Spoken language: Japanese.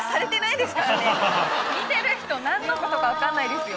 見てる人何のことか分かんないですよ。